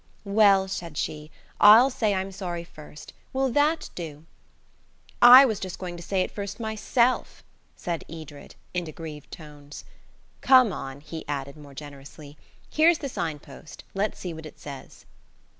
"Well," said she, "I'll say I'm sorry first. Will that do?" "I was just going to say it first myself," said Edred, in aggrieved tones. "Come on," he added more generously, "here's the sign post. Let's see what it says."